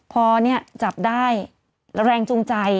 พอเนี่ยจับได้และแรงจงใจ